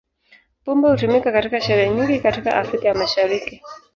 Pombe hutumika katika sherehe nyingi katika Afrika ya Mashariki.